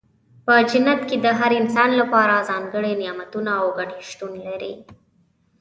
په جنت کې د هر انسان لپاره ځانګړي نعمتونه او ګټې شتون لري.